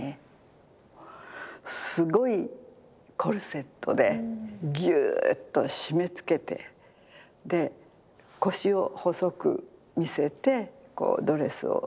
すごいコルセットでギューッと締めつけてで腰を細く見せてこうドレスを際立たせるっていう。